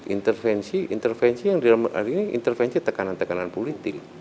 intervensi intervensi yang dalam hal ini intervensi tekanan tekanan politik